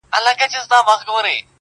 هلئ ځغلئ چي هلاک نه شئ يارانو